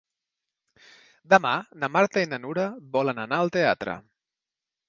Demà na Marta i na Nura volen anar al teatre.